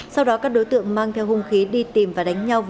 sau đó các đối tượng mang theo hung khí đi tìm và đánh nhau